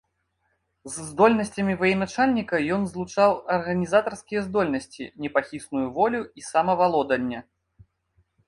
З здольнасцямі военачальніка ён злучаў арганізатарскія здольнасці, непахісную волю і самавалоданне.